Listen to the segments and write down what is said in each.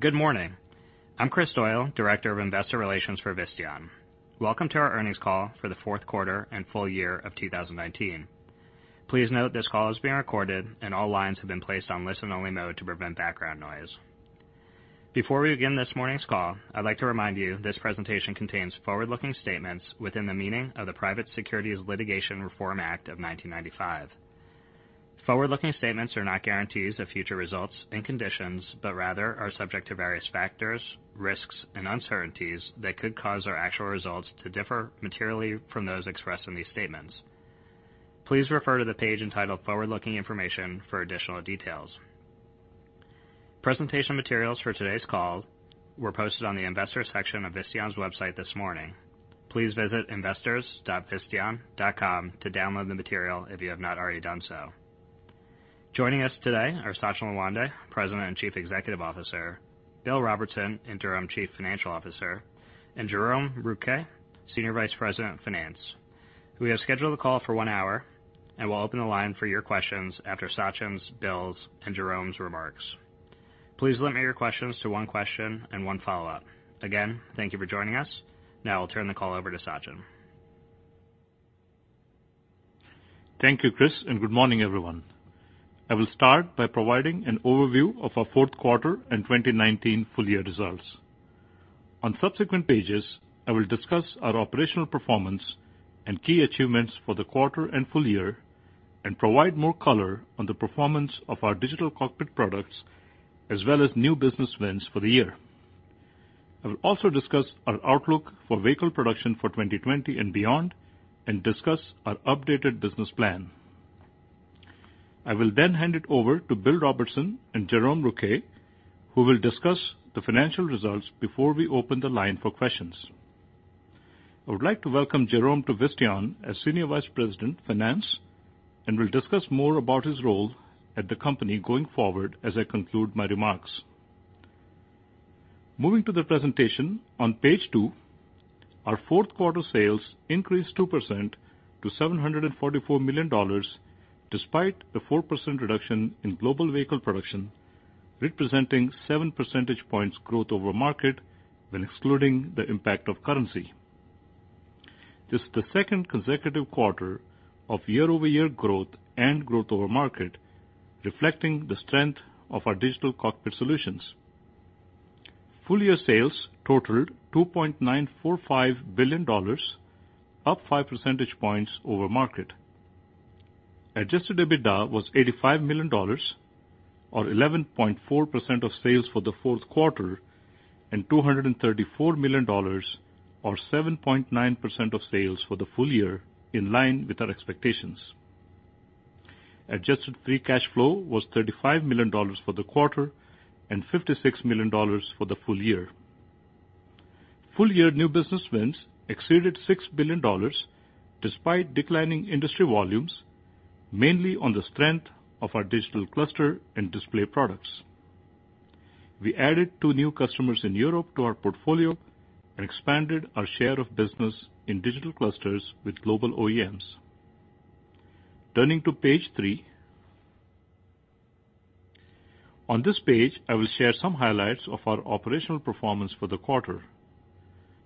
Good morning. I'm Kris Doyle, Director of Investor Relations for Visteon. Welcome to our earnings call for the fourth quarter and full year of 2019. Please note this call is being recorded, and all lines have been placed on listen-only mode to prevent background noise. Before we begin this morning's call, I'd like to remind you this presentation contains forward-looking statements within the meaning of the Private Securities Litigation Reform Act of 1995. Forward-looking statements are not guarantees of future results and conditions, but rather are subject to various factors, risks, and uncertainties that could cause our actual results to differ materially from those expressed in these statements. Please refer to the page entitled Forward-Looking Information for additional details. Presentation materials for today's call were posted on the investors section of Visteon's website this morning. Please visit investors.visteon.com to download the material if you have not already done so. Joining us today are Sachin Lawande, President and Chief Executive Officer, Bill Robertson, Interim Chief Financial Officer, and Jerome Rouquet, Senior Vice President of Finance. We have scheduled the call for one hour and will open the line for your questions after Sachin's, Bill's, and Jerome's remarks. Please limit your questions to one question and one follow-up. Again, thank you for joining us. Now I'll turn the call over to Sachin. Thank you, Kris, and good morning, everyone. I will start by providing an overview of our fourth quarter and 2019 full year results. On subsequent pages, I will discuss our operational performance and key achievements for the quarter and full year and provide more color on the performance of our digital cockpit products as well as new business wins for the year. I will also discuss our outlook for vehicle production for 2020 and beyond and discuss our updated business plan. I will then hand it over to Bill Robertson and Jerome Rouquet, who will discuss the financial results before we open the line for questions. I would like to welcome Jerome to Visteon as Senior Vice President, Finance, and will discuss more about his role at the company going forward as I conclude my remarks. Moving to the presentation, on page two, our fourth quarter sales increased 2% to $744 million, despite a 4% reduction in global vehicle production, representing seven percentage points growth over market when excluding the impact of currency. This is the second consecutive quarter of year-over-year growth and growth over market, reflecting the strength of our digital cockpit solutions. Full year sales totaled $2.945 billion, up five percentage points over market. adjusted EBITDA was $85 million, or 11.4% of sales for the fourth quarter, and $234 million or 7.9% of sales for the full year, in line with our expectations. Adjusted free cash flow was $35 million for the quarter and $56 million for the full year. Full year new business wins exceeded $6 billion, despite declining industry volumes, mainly on the strength of our digital cluster and display products. We added two new customers in Europe to our portfolio and expanded our share of business in digital clusters with global OEMs. Turning to page three. On this page, I will share some highlights of our operational performance for the quarter.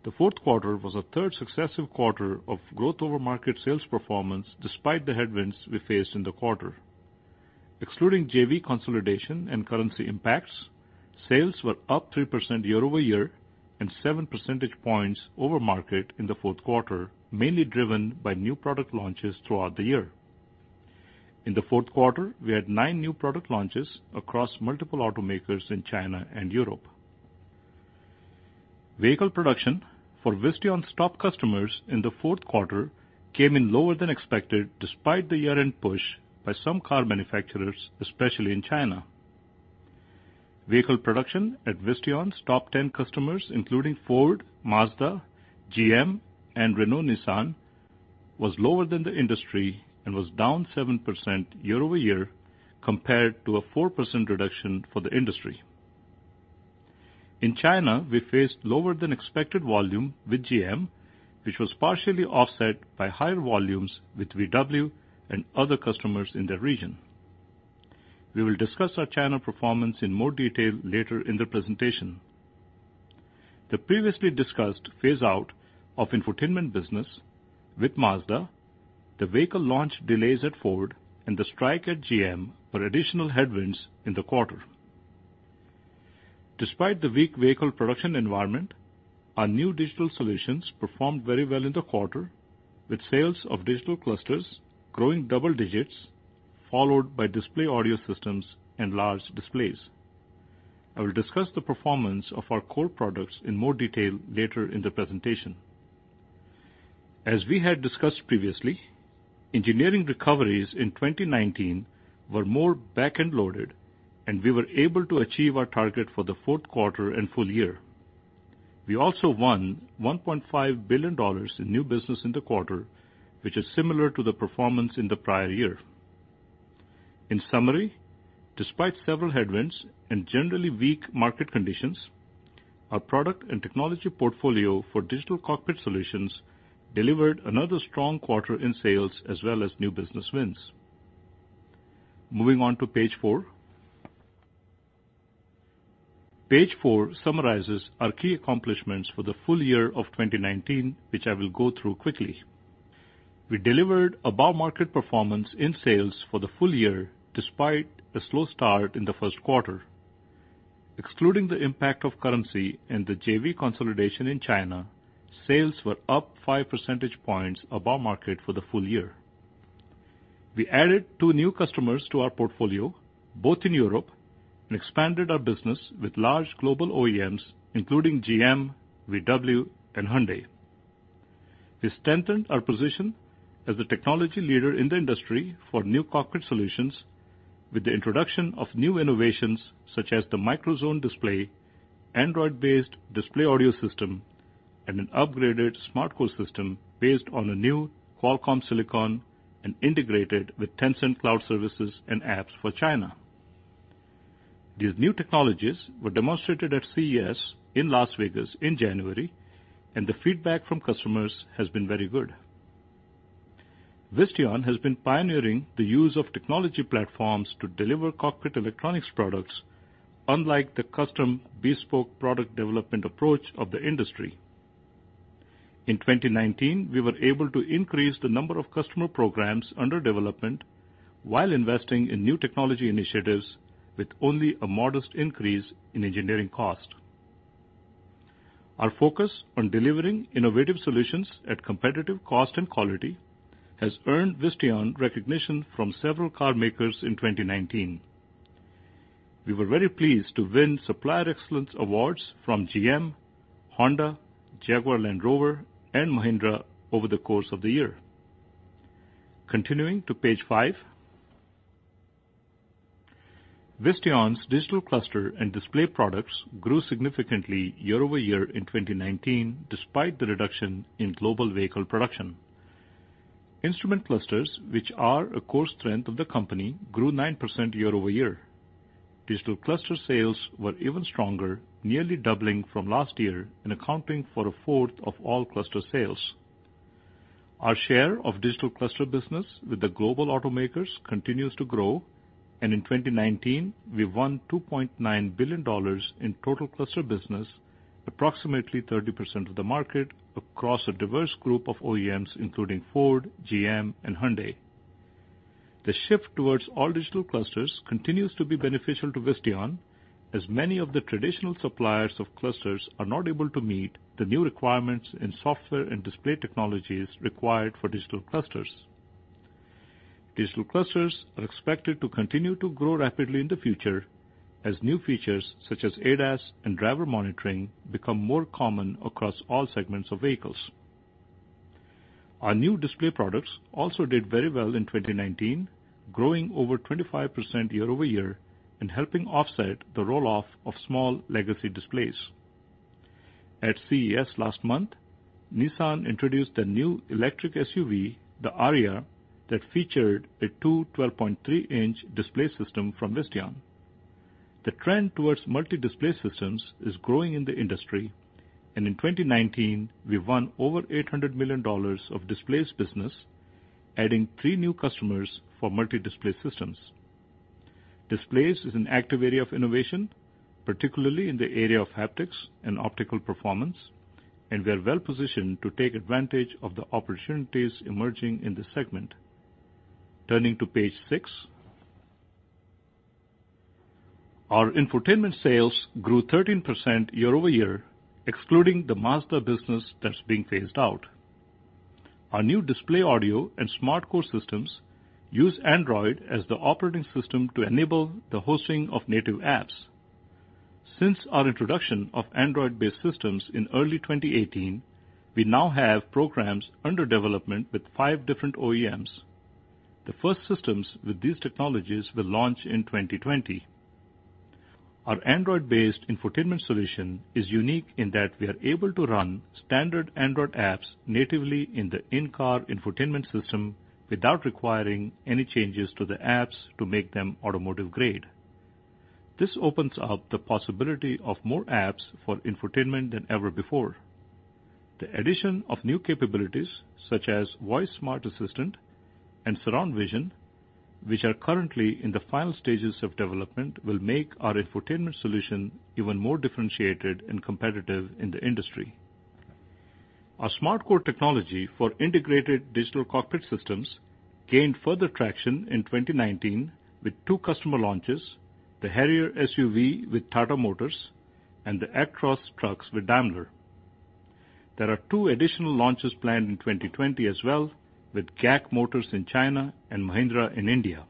The fourth quarter was our third successive quarter of growth over market sales performance, despite the headwinds we faced in the quarter. Excluding JV consolidation and currency impacts, sales were up 3% year-over-year and seven percentage points over market in the fourth quarter, mainly driven by new product launches throughout the year. In the fourth quarter, we had nine new product launches across multiple automakers in China and Europe. Vehicle production for Visteon's top customers in the fourth quarter came in lower than expected, despite the year-end push by some car manufacturers, especially in China. Vehicle production at Visteon's top 10 customers, including Ford, Mazda, GM, and Renault Nissan, was lower than the industry and was down 7% year-over-year, compared to a 4% reduction for the industry. In China, we faced lower than expected volume with GM, which was partially offset by higher volumes with VW and other customers in the region. We will discuss our China performance in more detail later in the presentation. The previously discussed phase-out of infotainment business with Mazda, the vehicle launch delays at Ford, and the strike at GM were additional headwinds in the quarter. Despite the weak vehicle production environment, our new digital solutions performed very well in the quarter, with sales of digital clusters growing double digits, followed by display audio systems and large displays. I will discuss the performance of our core products in more detail later in the presentation. As we had discussed previously, engineering recoveries in 2019 were more back-end loaded, and we were able to achieve our target for the fourth quarter and full year. We also won $1.5 billion in new business in the quarter, which is similar to the performance in the prior year. In summary, despite several headwinds and generally weak market conditions, our product and technology portfolio for digital cockpit solutions delivered another strong quarter in sales as well as new business wins. Moving on to page four. Page four summarizes our key accomplishments for the full year of 2019, which I will go through quickly. We delivered above-market performance in sales for the full year, despite a slow start in the first quarter. Excluding the impact of currency and the JV consolidation in China, sales were up five percentage points above market for the full year. We added two new customers to our portfolio, both in Europe, and expanded our business with large global OEMs, including GM, VW, and Hyundai. We strengthened our position as a technology leader in the industry for new cockpit solutions with the introduction of new innovations such as the MicroZone display, Android-based display audio system, and an upgraded SmartCore system based on a new Qualcomm silicon and integrated with Tencent Cloud services and apps for China. These new technologies were demonstrated at CES in Las Vegas in January, and the feedback from customers has been very good. Visteon has been pioneering the use of technology platforms to deliver cockpit electronics products, unlike the custom bespoke product development approach of the industry. In 2019, we were able to increase the number of customer programs under development while investing in new technology initiatives with only a modest increase in engineering cost. Our focus on delivering innovative solutions at competitive cost and quality has earned Visteon recognition from several car makers in 2019. We were very pleased to win Supplier Excellence Awards from GM, Honda, Jaguar Land Rover, and Mahindra over the course of the year. Continuing to page five. Visteon's digital cluster and display products grew significantly year-over-year in 2019, despite the reduction in global vehicle production. Instrument clusters, which are a core strength of the company, grew 9% year-over-year. Digital cluster sales were even stronger, nearly doubling from last year and accounting for a fourth of all cluster sales. Our share of digital cluster business with the global automakers continues to grow, and in 2019, we won $2.9 billion in total cluster business, approximately 30% of the market, across a diverse group of OEMs, including Ford, GM, and Hyundai. The shift towards all-digital clusters continues to be beneficial to Visteon, as many of the traditional suppliers of clusters are not able to meet the new requirements in software and display technologies required for digital clusters. Digital clusters are expected to continue to grow rapidly in the future as new features such as ADAS and driver monitoring become more common across all segments of vehicles. Our new display products also did very well in 2019, growing over 25% year-over-year and helping offset the roll-off of small legacy displays. At CES last month, Nissan introduced a new electric SUV, the Ariya, that featured a two 12.3-inch display system from Visteon. The trend towards multi-display systems is growing in the industry, and in 2019, we won over $800 million of displays business, adding three new customers for multi-display systems. Displays is an active area of innovation, particularly in the area of haptics and optical performance. We are well positioned to take advantage of the opportunities emerging in this segment. Turning to page six. Our infotainment sales grew 13% year-over-year, excluding the Mazda business that's being phased out. Our new display audio and SmartCore systems use Android as the operating system to enable the hosting of native apps. Since our introduction of Android-based systems in early 2018, we now have programs under development with five different OEMs. The first systems with these technologies will launch in 2020. Our Android-based infotainment solution is unique in that we are able to run standard Android apps natively in the in-car infotainment system without requiring any changes to the apps to make them automotive-grade. This opens up the possibility of more apps for infotainment than ever before. The addition of new capabilities such as voice smart assistant and surround view, which are currently in the final stages of development, will make our infotainment solution even more differentiated and competitive in the industry. Our SmartCore technology for integrated digital cockpit systems gained further traction in 2019 with two customer launches: the Harrier SUV with Tata Motors and the Actros trucks with Daimler. There are two additional launches planned in 2020 as well, with GAC Motor in China and Mahindra in India.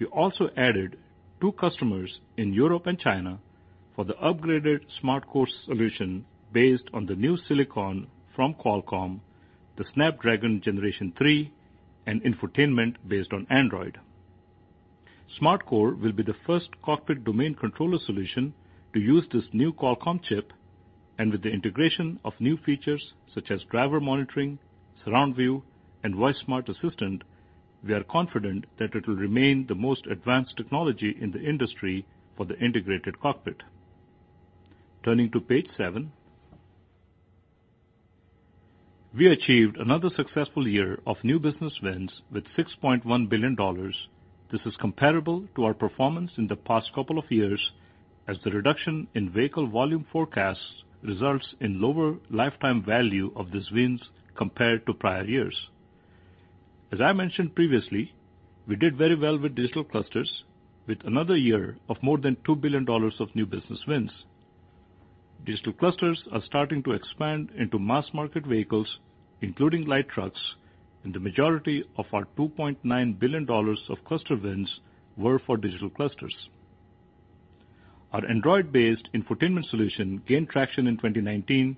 We also added two customers in Europe and China for the upgraded SmartCore solution based on the new silicon from Qualcomm, the Snapdragon Generation Three, and infotainment based on Android. SmartCore will be the first cockpit domain controller solution to use this new Qualcomm chip, and with the integration of new features such as driver monitoring, surround view, and voice smart assistant, we are confident that it will remain the most advanced technology in the industry for the integrated cockpit. Turning to page seven. We achieved another successful year of new business wins with $6.1 billion. This is comparable to our performance in the past couple of years as the reduction in vehicle volume forecasts results in lower lifetime value of these wins compared to prior years. As I mentioned previously, we did very well with digital clusters with another year of more than $2 billion of new business wins. Digital clusters are starting to expand into mass-market vehicles, including light trucks, and the majority of our $2.9 billion of cluster wins were for digital clusters. Our Android-based infotainment solution gained traction in 2019,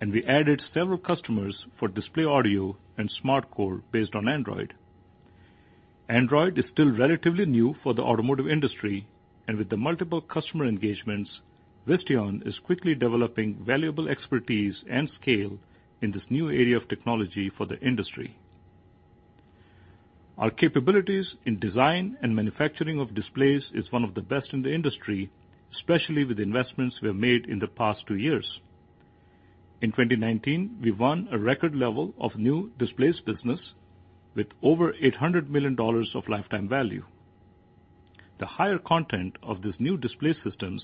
and we added several customers for display audio and SmartCore based on Android. Android is still relatively new for the automotive industry, and with the multiple customer engagements, Visteon is quickly developing valuable expertise and scale in this new area of technology for the industry. Our capabilities in design and manufacturing of displays is one of the best in the industry, especially with the investments we have made in the past two years. In 2019, we won a record level of new displays business with over $800 million of lifetime value. The higher content of these new display systems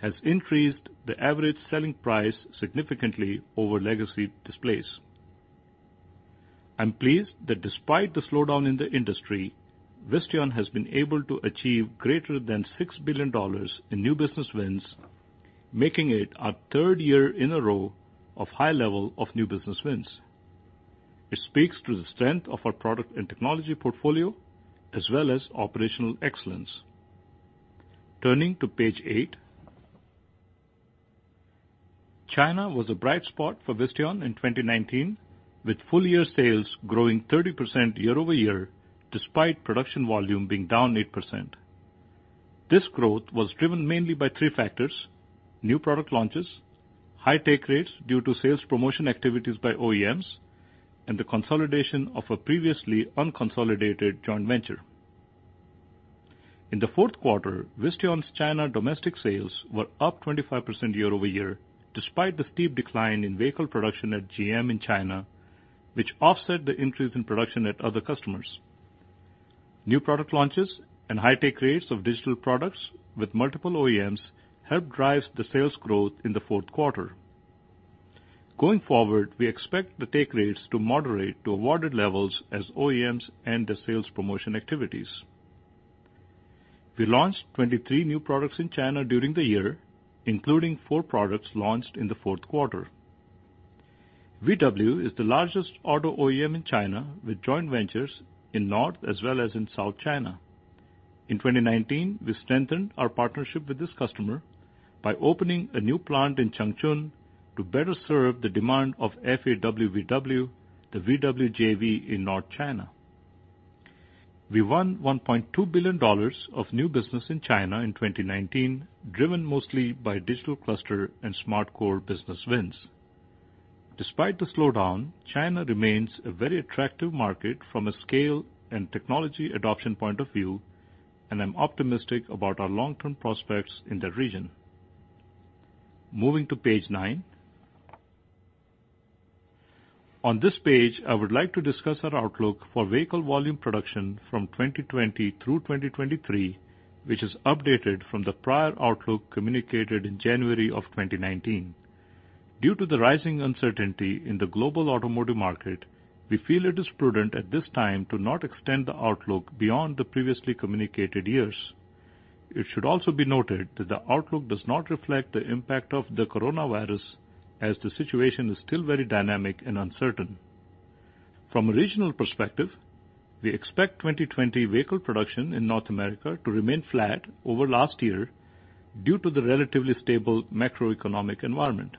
has increased the average selling price significantly over legacy displays. I'm pleased that despite the slowdown in the industry, Visteon has been able to achieve greater than $6 billion in new business wins, making it our third year in a row of high level of new business wins. It speaks to the strength of our product and technology portfolio as well as operational excellence. Turning to page eight. China was a bright spot for Visteon in 2019, with full-year sales growing 30% year-over-year, despite production volume being down 8%. This growth was driven mainly by three factors, new product launches, high take rates due to sales promotion activities by OEMs, and the consolidation of a previously unconsolidated joint venture. In the fourth quarter, Visteon's China domestic sales were up 25% year-over-year, despite the steep decline in vehicle production at GM in China, which offset the increase in production at other customers. New product launches and high take rates of digital products with multiple OEMs helped drive the sales growth in the fourth quarter. Going forward, we expect the take rates to moderate to awarded levels as OEMs end their sales promotion activities. We launched 23 new products in China during the year, including four products launched in the fourth quarter. VW is the largest auto OEM in China, with joint ventures in North as well as in South China. In 2019, we strengthened our partnership with this customer by opening a new plant in Changchun to better serve the demand of FAW-VW, the VW JV in North China. We won $1.2 billion of new business in China in 2019, driven mostly by digital cluster and SmartCore business wins. Despite the slowdown, China remains a very attractive market from a scale and technology adoption point of view, I'm optimistic about our long-term prospects in the region. Moving to page nine. On this page, I would like to discuss our outlook for vehicle volume production from 2020 through 2023, which is updated from the prior outlook communicated in January of 2019. Due to the rising uncertainty in the global automotive market, we feel it is prudent at this time to not extend the outlook beyond the previously communicated years. It should also be noted that the outlook does not reflect the impact of the coronavirus, as the situation is still very dynamic and uncertain. From a regional perspective, we expect 2020 vehicle production in North America to remain flat over last year due to the relatively stable macroeconomic environment.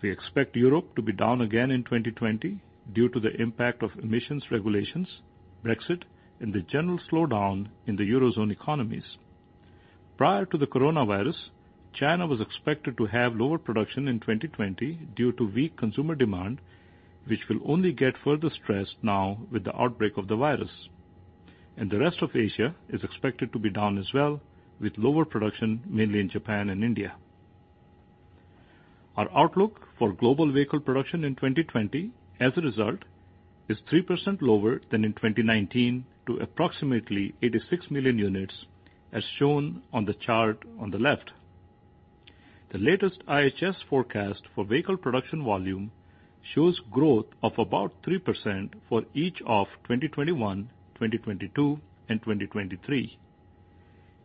We expect Europe to be down again in 2020 due to the impact of emissions regulations, Brexit, and the general slowdown in the eurozone economies. Prior to the coronavirus, China was expected to have lower production in 2020 due to weak consumer demand, which will only get further stressed now with the outbreak of the virus. The rest of Asia is expected to be down as well, with lower production mainly in Japan and India. Our outlook for global vehicle production in 2020, as a result, is 3% lower than in 2019 to approximately 86 million units, as shown on the chart on the left. The latest IHS forecast for vehicle production volume shows growth of about 3% for each of 2021, 2022, and 2023.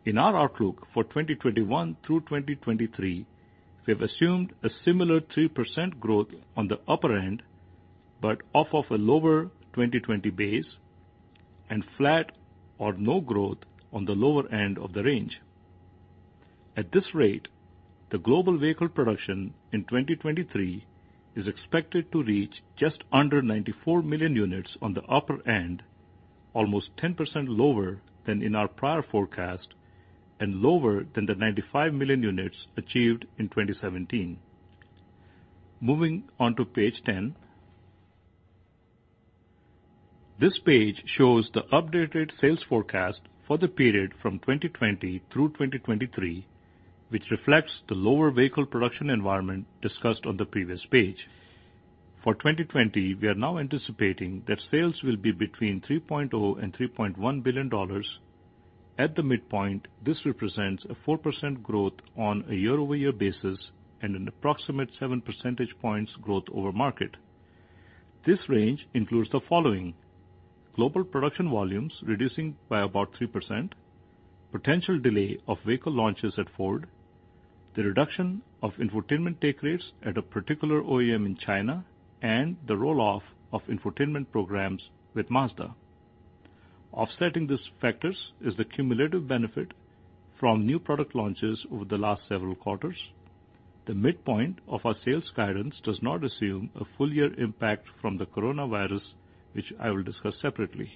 In our outlook for 2021 through 2023, we have assumed a similar 3% growth on the upper end, but off of a lower 2020 base and flat or no growth on the lower end of the range. At this rate, the global vehicle production in 2023 is expected to reach just under 94 million units on the upper end, almost 10% lower than in our prior forecast and lower than the 95 million units achieved in 2017. Moving on to page 10. This page shows the updated sales forecast for the period from 2020 through 2023, which reflects the lower vehicle production environment discussed on the previous page. For 2020, we are now anticipating that sales will be between $3.0 and $3.1 billion. At the midpoint, this represents a 4% growth on a year-over-year basis and an approximate seven percentage points growth over market. This range includes the following: Global production volumes reducing by about 3%, potential delay of vehicle launches at Ford, the reduction of infotainment take rates at a particular OEM in China, and the roll-off of infotainment programs with Mazda. Offsetting these factors is the cumulative benefit from new product launches over the last several quarters. The midpoint of our sales guidance does not assume a full-year impact from the coronavirus, which I will discuss separately.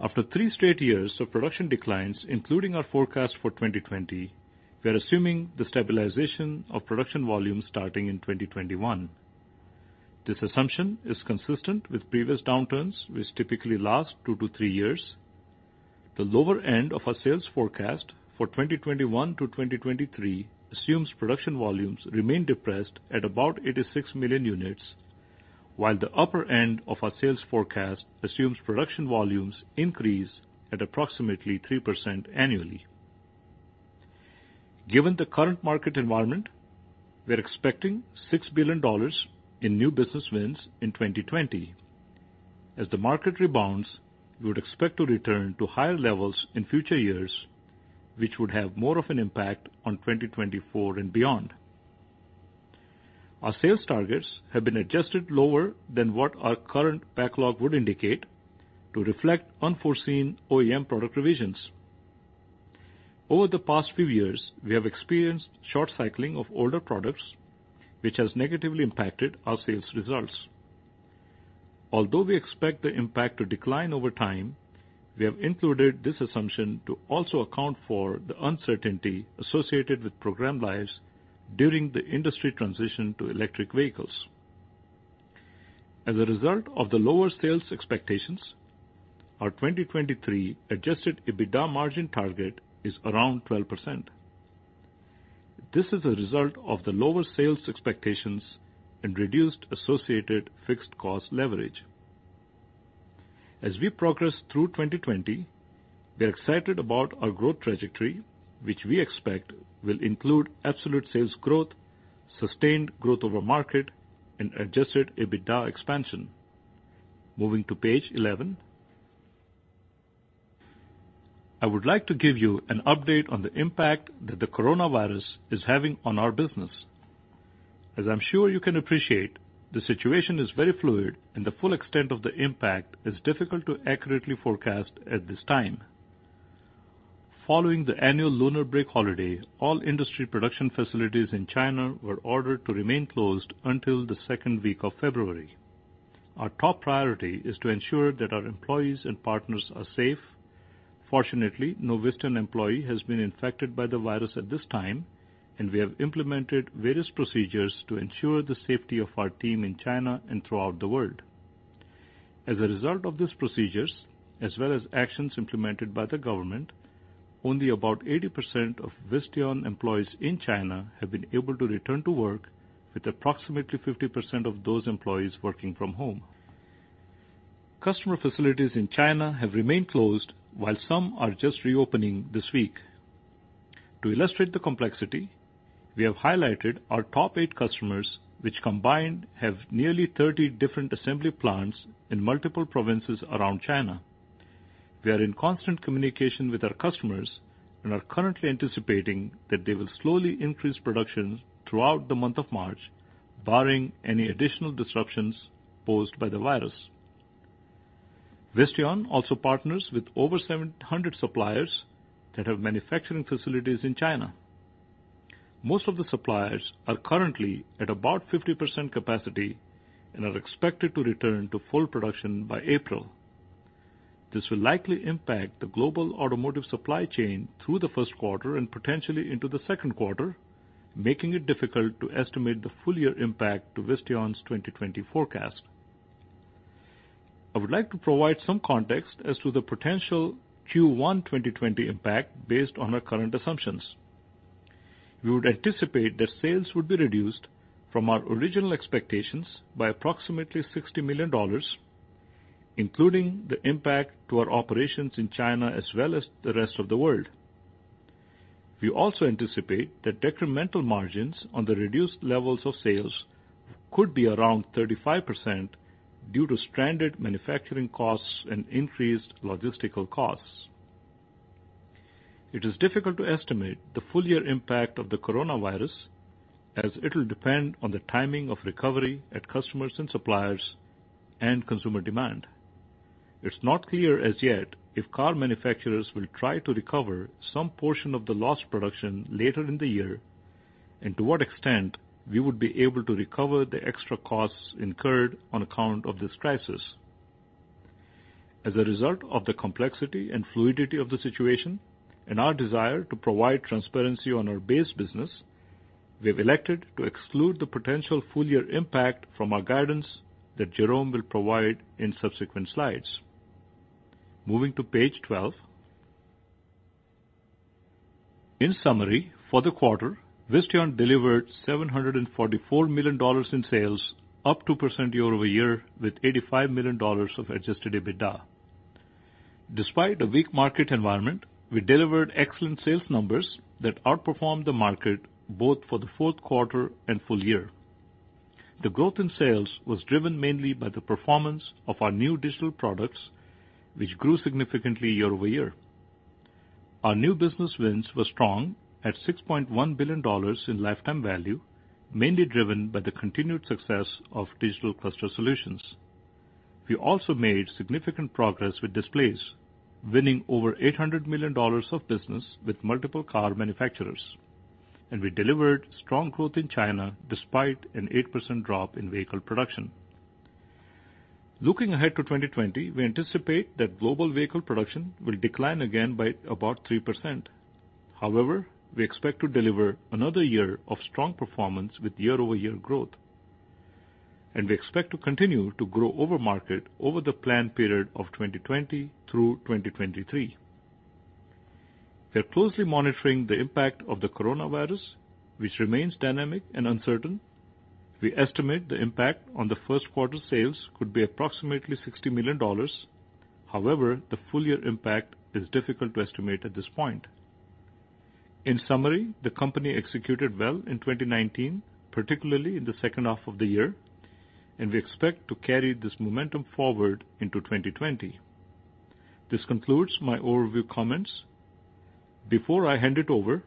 After three straight years of production declines, including our forecast for 2020, we are assuming the stabilization of production volumes starting in 2021. This assumption is consistent with previous downturns, which typically last two to three years. The lower end of our sales forecast for 2021 to 2023 assumes production volumes remain depressed at about 86 million units, while the upper end of our sales forecast assumes production volumes increase at approximately 3% annually. Given the current market environment, we are expecting $6 billion in new business wins in 2020. As the market rebounds, we would expect to return to higher levels in future years, which would have more of an impact on 2024 and beyond. Our sales targets have been adjusted lower than what our current backlog would indicate to reflect unforeseen OEM product revisions. Over the past few years, we have experienced short cycling of older products, which has negatively impacted our sales results. Although we expect the impact to decline over time, we have included this assumption to also account for the uncertainty associated with program lives during the industry transition to electric vehicles. As a result of the lower sales expectations, our 2023 adjusted EBITDA margin target is around 12%. This is a result of the lower sales expectations and reduced associated fixed cost leverage. As we progress through 2020, we are excited about our growth trajectory, which we expect will include absolute sales growth, sustained growth over market, and adjusted EBITDA expansion. Moving to page 11. I would like to give you an update on the impact that the coronavirus is having on our business. As I'm sure you can appreciate, the situation is very fluid, and the full extent of the impact is difficult to accurately forecast at this time. Following the annual Lunar break holiday, all industry production facilities in China were ordered to remain closed until the second week of February. Our top priority is to ensure that our employees and partners are safe. Fortunately, no Visteon employee has been infected by the virus at this time, and we have implemented various procedures to ensure the safety of our team in China and throughout the world. As a result of these procedures, as well as actions implemented by the government, only about 80% of Visteon employees in China have been able to return to work, with approximately 50% of those employees working from home. Customer facilities in China have remained closed, while some are just reopening this week. To illustrate the complexity, we have highlighted our top eight customers, which combined have nearly 30 different assembly plants in multiple provinces around China. We are in constant communication with our customers and are currently anticipating that they will slowly increase production throughout the month of March, barring any additional disruptions posed by the virus. Visteon also partners with over 700 suppliers that have manufacturing facilities in China. Most of the suppliers are currently at about 50% capacity and are expected to return to full production by April. This will likely impact the global automotive supply chain through the first quarter and potentially into the second quarter, making it difficult to estimate the full year impact to Visteon's 2020 forecast. I would like to provide some context as to the potential Q1 2020 impact based on our current assumptions. We would anticipate that sales would be reduced from our original expectations by approximately $60 million, including the impact to our operations in China, as well as the rest of the world. We also anticipate that decremental margins on the reduced levels of sales could be around 35% due to stranded manufacturing costs and increased logistical costs. It is difficult to estimate the full year impact of the coronavirus, as it will depend on the timing of recovery at customers and suppliers and consumer demand. It's not clear as yet if car manufacturers will try to recover some portion of the lost production later in the year, and to what extent we would be able to recover the extra costs incurred on account of this crisis. As a result of the complexity and fluidity of the situation and our desire to provide transparency on our base business, we have elected to exclude the potential full-year impact from our guidance that Jerome will provide in subsequent slides. Moving to page 12. In summary, for the quarter, Visteon delivered $744 million in sales, up 2% year-over-year, with $85 million of adjusted EBITDA. Despite a weak market environment, we delivered excellent sales numbers that outperformed the market both for the fourth quarter and full year. The growth in sales was driven mainly by the performance of our new digital products, which grew significantly year-over-year. Our new business wins were strong at $6.1 billion in lifetime value, mainly driven by the continued success of digital cluster solutions. We also made significant progress with displays, winning over $800 million of business with multiple car manufacturers. We delivered strong growth in China despite an 8% drop in vehicle production. Looking ahead to 2020, we anticipate that global vehicle production will decline again by about 3%. However, we expect to deliver another year of strong performance with year-over-year growth. We expect to continue to grow over market over the planned period of 2020 through 2023. We are closely monitoring the impact of the coronavirus, which remains dynamic and uncertain. We estimate the impact on the first quarter sales could be approximately $60 million. However, the full-year impact is difficult to estimate at this point. In summary, the company executed well in 2019, particularly in the second half of the year, and we expect to carry this momentum forward into 2020. This concludes my overview comments. Before I hand it over,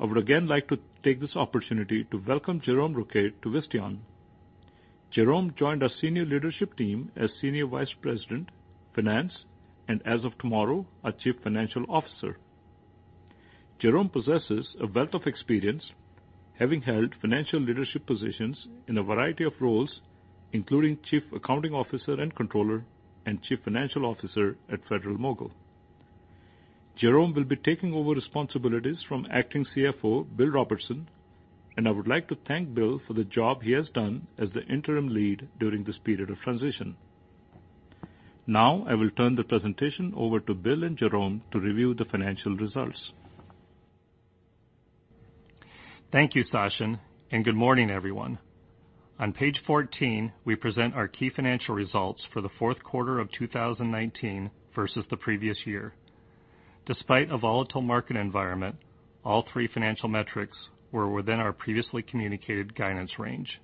I would again like to take this opportunity to welcome Jerome Rouquet to Visteon. Jerome joined our senior leadership team as Senior Vice President, Finance, and as of tomorrow, our Chief Financial Officer. Jerome possesses a wealth of experience, having held financial leadership positions in a variety of roles, including Chief Accounting Officer and Controller and Chief Financial Officer at Federal-Mogul. Jerome will be taking over responsibilities from acting CFO, Bill Robertson, and I would like to thank Bill for the job he has done as the interim lead during this period of transition. Now, I will turn the presentation over to Bill and Jerome to review the financial results. Thank you, Sachin, and good morning, everyone. On page 14, we present our key financial results for the fourth quarter of 2019 versus the previous year. Despite a volatile market environment, all three financial metrics were within our previously communicated guidance range.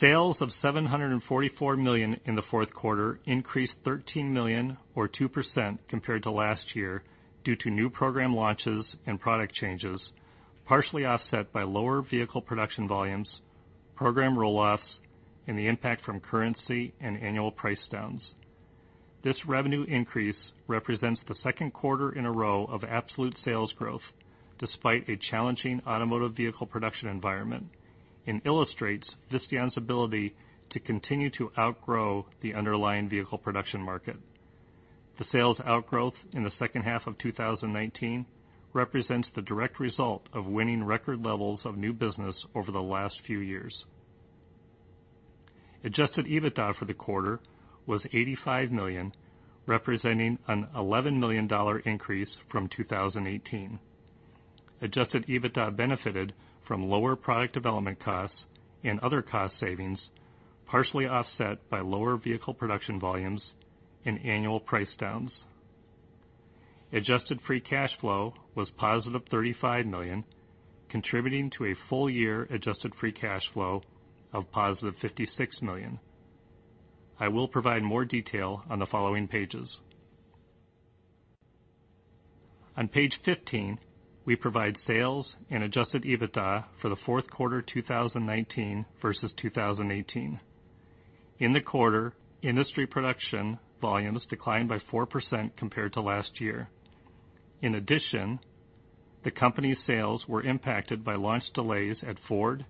Sales of $744 million in the fourth quarter increased $13 million or 2% compared to last year due to new program launches and product changes, partially offset by lower vehicle production volumes, program roll-offs, and the impact from currency and annual price downs. This revenue increase represents the second quarter in a row of absolute sales growth despite a challenging automotive vehicle production environment and illustrates Visteon's ability to continue to outgrow the underlying vehicle production market. The sales outgrowth in the second half of 2019 represents the direct result of winning record levels of new business over the last few years. Adjusted EBITDA for the quarter was $85 million, representing an $11 million increase from 2018. Adjusted EBITDA benefited from lower product development costs and other cost savings, partially offset by lower vehicle production volumes and annual price downs. Adjusted free cash flow was positive $35 million, contributing to a full-year adjusted free cash flow of positive $56 million. I will provide more detail on the following pages. On page 15, we provide sales and adjusted EBITDA for the fourth quarter 2019 versus 2018. In the quarter, industry production volumes declined by 4% compared to last year. The company's sales were impacted by launch delays at Ford,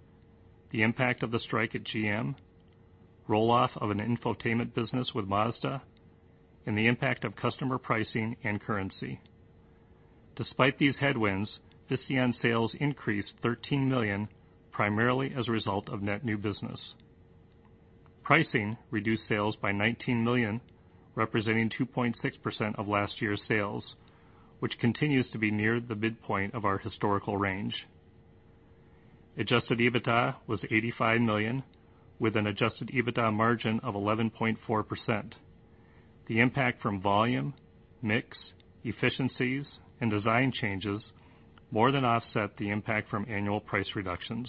the impact of the strike at GM, roll-off of an infotainment business with Mazda, and the impact of customer pricing and currency. Despite these headwinds, Visteon sales increased $13 million, primarily as a result of net new business. Pricing reduced sales by $19 million, representing 2.6% of last year's sales, which continues to be near the midpoint of our historical range. Adjusted EBITDA was $85 million, with an adjusted EBITDA margin of 11.4%. The impact from volume, mix, efficiencies, and design changes more than offset the impact from annual price reductions.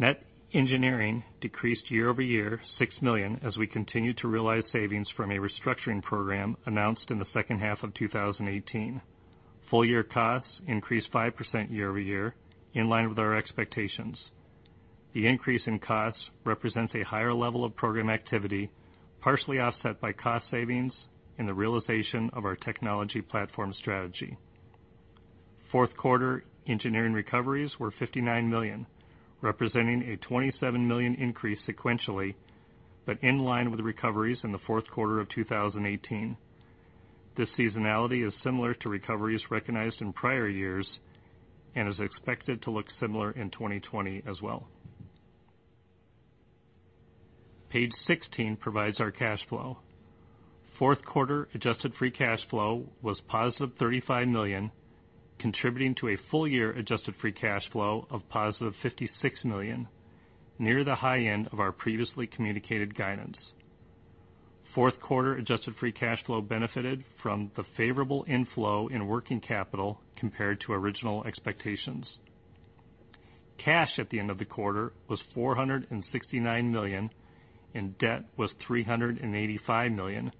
Net engineering decreased year-over-year $6 million as we continue to realize savings from a restructuring program announced in the second half of 2018. Full year costs increased 5% year-over-year in line with our expectations. The increase in costs represents a higher level of program activity, partially offset by cost savings and the realization of our technology platform strategy. Fourth quarter engineering recoveries were $59 million, representing a $27 million increase sequentially, but in line with recoveries in the fourth quarter of 2018. This seasonality is similar to recoveries recognized in prior years and is expected to look similar in 2020 as well. Page 16 provides our cash flow. Fourth quarter adjusted free cash flow was positive $35 million, contributing to a full-year adjusted free cash flow of positive $56 million, near the high end of our previously communicated guidance. Fourth quarter adjusted free cash flow benefited from the favorable inflow in working capital compared to original expectations. Cash at the end of the quarter was $469 million and debt was $385 million,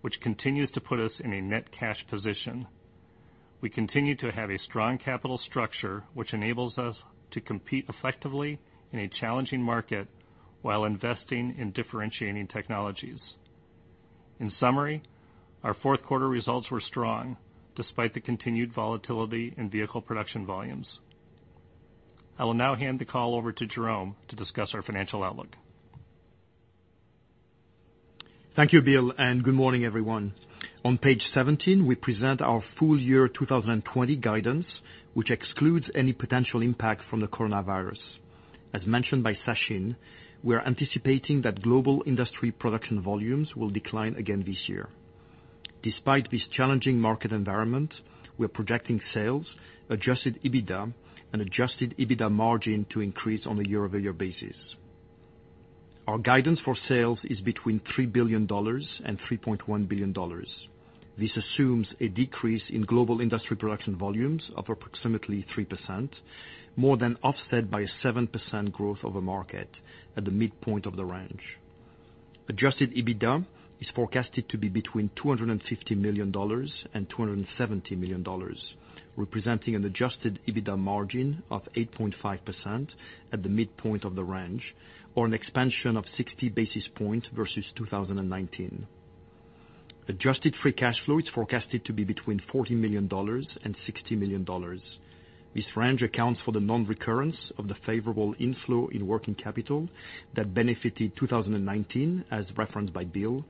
which continues to put us in a net cash position. We continue to have a strong capital structure, which enables us to compete effectively in a challenging market while investing in differentiating technologies. In summary, our fourth quarter results were strong despite the continued volatility in vehicle production volumes. I will now hand the call over to Jerome to discuss our financial outlook. Thank you, Bill, good morning, everyone. On page 17, we present our full year 2020 guidance, which excludes any potential impact from the coronavirus. As mentioned by Sachin, we are anticipating that global industry production volumes will decline again this year. Despite this challenging market environment, we are projecting sales, adjusted EBITDA, and adjusted EBITDA margin to increase on a year-over-year basis. Our guidance for sales is between $3 billion and $3.1 billion. This assumes a decrease in global industry production volumes of approximately 3%, more than offset by 7% growth of the market at the midpoint of the range. Adjusted EBITDA is forecasted to be between $250 million and $270 million, representing an adjusted EBITDA margin of 8.5% at the midpoint of the range, or an expansion of 60 basis points versus 2019. Adjusted free cash flow is forecasted to be between $40 million and $60 million. This range accounts for the non-recurrence of the favorable inflow in working capital that benefited 2019, as referenced by Bill,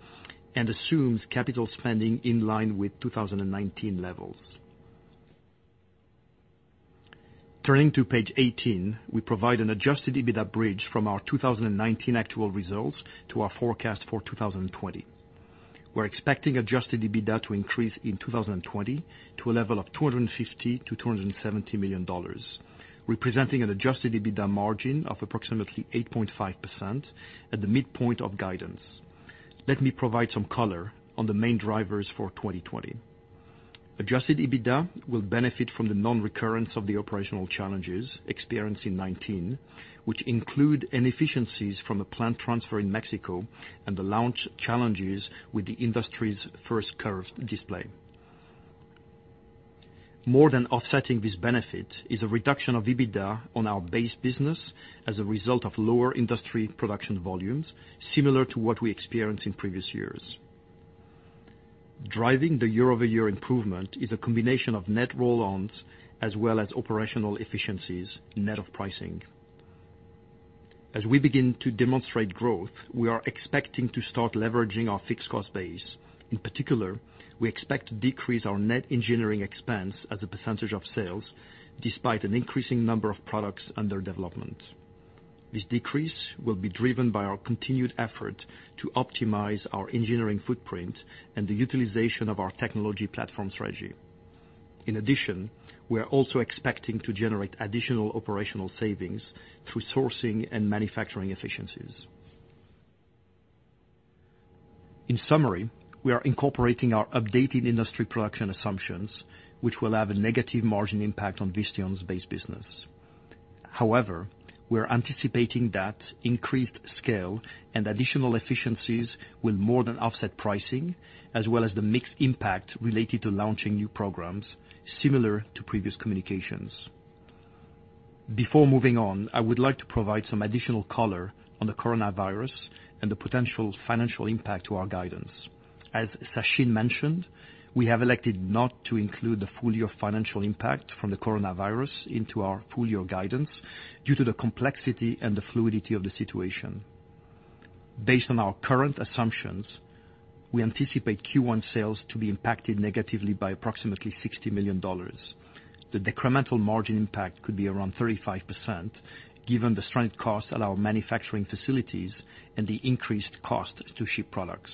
and assumes capital spending in line with 2019 levels. Turning to page 18, we provide an adjusted EBITDA bridge from our 2019 actual results to our forecast for 2020. We're expecting adjusted EBITDA to increase in 2020 to a level of $250 million-$270 million, representing an adjusted EBITDA margin of approximately 8.5% at the midpoint of guidance. Let me provide some color on the main drivers for 2020. Adjusted EBITDA will benefit from the non-recurrence of the operational challenges experienced in 2019, which include inefficiencies from the plant transfer in Mexico and the launch challenges with the industry's first curved display. More than offsetting this benefit is a reduction of EBITDA on our base business as a result of lower industry production volumes, similar to what we experienced in previous years. Driving the year-over-year improvement is a combination of net roll-ons as well as operational efficiencies, net of pricing. As we begin to demonstrate growth, we are expecting to start leveraging our fixed cost base. In particular, we expect to decrease our net engineering expense as a percentage of sales, despite an increasing number of products under development. This decrease will be driven by our continued effort to optimize our engineering footprint and the utilization of our technology platform strategy. In addition, we are also expecting to generate additional operational savings through sourcing and manufacturing efficiencies. In summary, we are incorporating our updated industry production assumptions, which will have a negative margin impact on Visteon's base business. However, we are anticipating that increased scale and additional efficiencies will more than offset pricing, as well as the mixed impact related to launching new programs similar to previous communications. Before moving on, I would like to provide some additional color on the coronavirus and the potential financial impact to our guidance. As Sachin mentioned, we have elected not to include the full year financial impact from the coronavirus into our full-year guidance due to the complexity and the fluidity of the situation. Based on our current assumptions, we anticipate Q1 sales to be impacted negatively by approximately $60 million. The decremental margin impact could be around 35% given the stranded cost at our manufacturing facilities and the increased cost to ship products.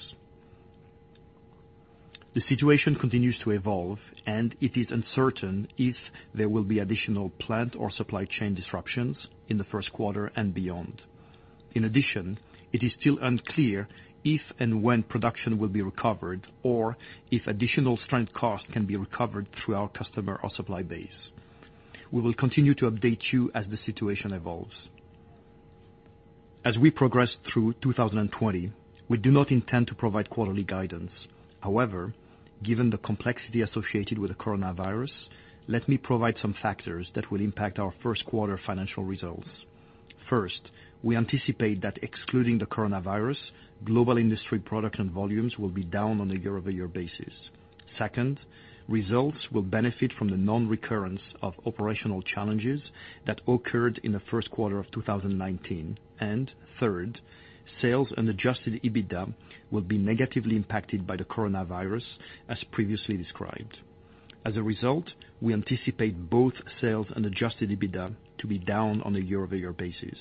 The situation continues to evolve, and it is uncertain if there will be additional plant or supply chain disruptions in the first quarter and beyond. In addition, it is still unclear if and when production will be recovered or if additional stranded cost can be recovered through our customer or supply base. We will continue to update you as the situation evolves. As we progress through 2020, we do not intend to provide quarterly guidance. However, given the complexity associated with the coronavirus, let me provide some factors that will impact our first quarter financial results. First, we anticipate that excluding the coronavirus, global industry production volumes will be down on a year-over-year basis. Second, results will benefit from the non-recurrence of operational challenges that occurred in the first quarter of 2019. Third, sales and adjusted EBITDA will be negatively impacted by the coronavirus, as previously described. As a result, we anticipate both sales and adjusted EBITDA to be down on a year-over-year basis.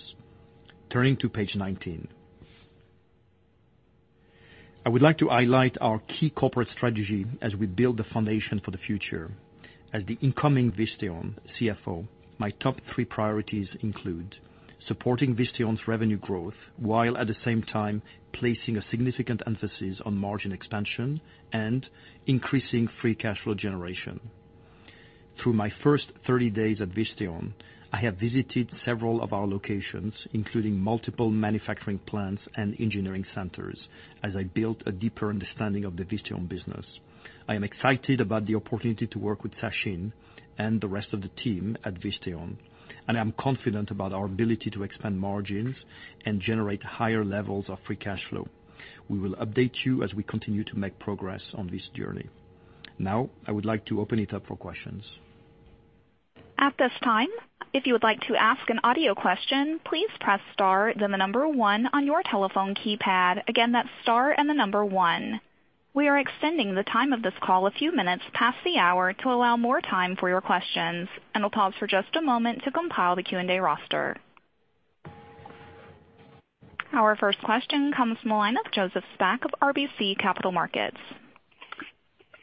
Turning to page 19. I would like to highlight our key corporate strategy as we build the foundation for the future. As the incoming Visteon CFO, my top three priorities include supporting Visteon's revenue growth, while at the same time placing a significant emphasis on margin expansion and increasing free cash flow generation. Through my first 30 days at Visteon, I have visited several of our locations, including multiple manufacturing plants and engineering centers, as I built a deeper understanding of the Visteon business. I am excited about the opportunity to work with Sachin and the rest of the team at Visteon, and I'm confident about our ability to expand margins and generate higher levels of free cash flow. We will update you as we continue to make progress on this journey. Now, I would like to open it up for questions. At this time, if you would like to ask an audio question, please press star then the number one on your telephone keypad. Again, that's star and the number one. We are extending the time of this call a few minutes past the hour to allow more time for your questions, we'll pause for just a moment to compile the Q&A roster. Our first question comes from the line of Joseph Spak of RBC Capital Markets.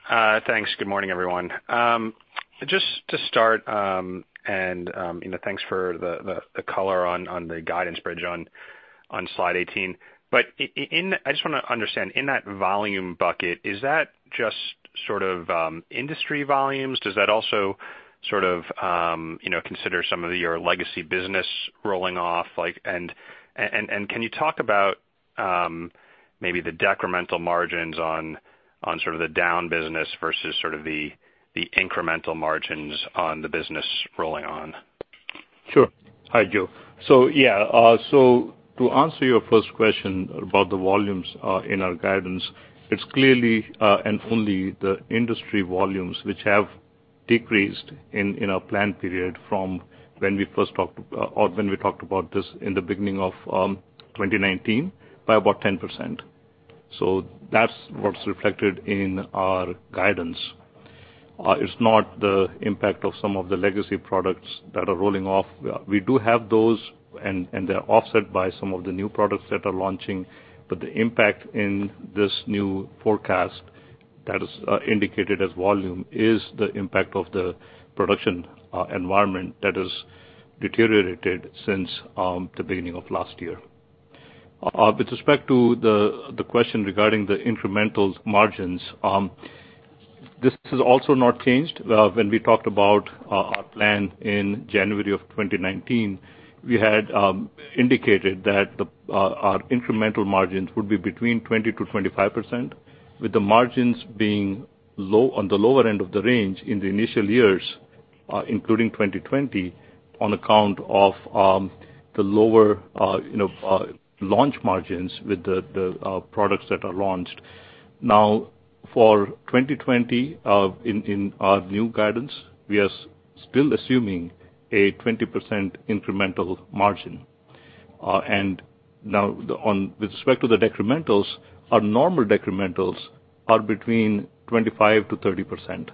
Thanks. Good morning, everyone. Just to start, thanks for the color on the guidance, bridge, on slide 18. I just want to understand, in that volume bucket, is that just sort of industry volumes? Does that also sort of consider some of your legacy business rolling off? Can you talk about maybe the decremental margins on sort of the down business versus sort of the incremental margins on the business rolling on? Sure. Hi, Joseph. Yeah. To answer your first question about the volumes in our guidance, it's clearly and only the industry volumes which have decreased in our plan period from when we talked about this in the beginning of 2019 by about 10%. That's what's reflected in our guidance. It's not the impact of some of the legacy products that are rolling off. We do have those, and they're offset by some of the new products that are launching. The impact in this new forecast that is indicated as volume is the impact of the production environment that has deteriorated since the beginning of last year. With respect to the question regarding the incremental margins, this has also not changed. When we talked about our plan in January of 2019, we had indicated that our incremental margins would be between 20%-25%, with the margins being on the lower end of the range in the initial years, including 2020, on account of the lower launch margins with the products that are launched. For 2020, in our new guidance, we are still assuming a 20% incremental margin. With respect to the decrementals, our normal decrementals are between 25%-30%.